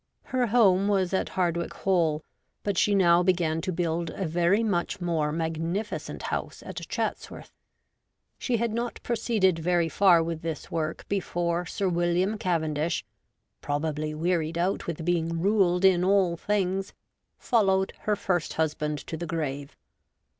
Her home was at Hardwicke Hall ; but she now began to build a very much more magnificent house at Chatsworth. She had not proceeded very far with this work before Sir William Cavendish, probably wearied out with being ruled in all things, followed her first husband to the grave.